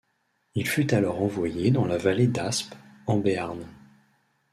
Il fut alors envoyé dans la vallée d'Aspe, en Béarn.